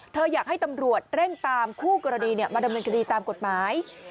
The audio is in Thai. อยากให้ตำรวจเร่งตามคู่กรณีมาดำเนินคดีตามกฎหมาย